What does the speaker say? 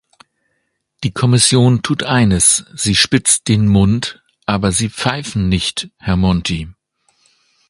Die Kommission tut eines, sie spitzt den Mund, aber Sie pfeifen nicht, Herr Monti.